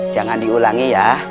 jangan diulangi ya